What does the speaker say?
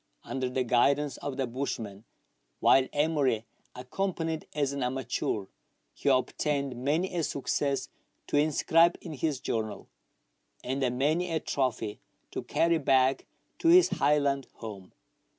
Under the guidance of the bushman, while Emery accompanied as an amateur, he obtained many a success to inscribe in his journal, and many a trophy to carry back to his Highland home.